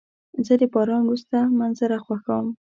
زه د باران وروسته منظره خوښوم.